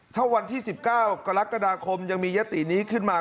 ถ้าวันที่๑๙กรกฎาคมยังมียตินี้ขึ้นมา